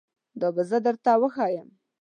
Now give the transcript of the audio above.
دا به زه درته وښایم